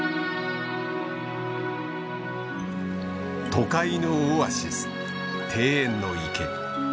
都会のオアシス庭園の池。